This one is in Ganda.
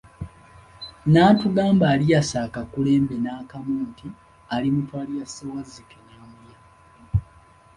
N'atugamba aliyasa akakulembe n'akamu nti alimutwalira Ssewazzike n'amulya.